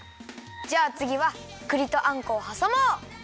じゃあつぎはくりとあんこをはさもう！